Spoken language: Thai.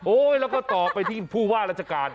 โอ๊ยแล้วก็ต่อไปที่ผู้ว่ารัฐกาล